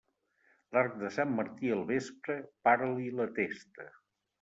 L'arc de Sant Martí al vespre, para-li la testa.